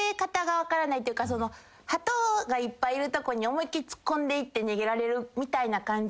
ハトがいっぱいいるとこに思いっ切り突っ込んでいって逃げられるみたいな感じで。